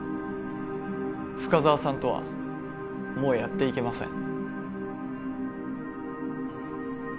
深沢さんとはもうやっていけません